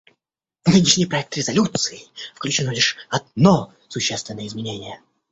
В нынешний проект резолюции включено лишь одно существенное изменение.